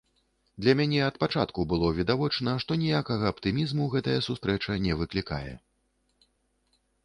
Для мяне ад пачатку было відавочна, што ніякага аптымізму гэтая сустрэча не выклікае.